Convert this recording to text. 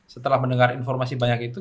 setelah mendengar informasi banyak itu